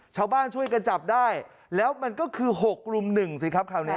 ชาวบ้านช่วยกันจับได้แล้วมันก็คือ๖รุม๑สิครับคราวนี้